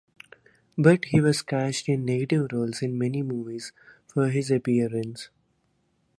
But he was cast in negative roles in many movies for his appearance.